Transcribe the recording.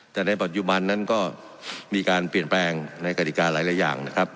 แต่ในปัจจุบันนั้นก็มีการเปลี่ยนแปลงในกฎิกาหลายอย่างนะครับ